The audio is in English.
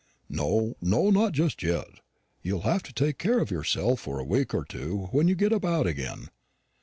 "No, no, not just yet. You'll have to take care of yourself for a week or two when you get about again."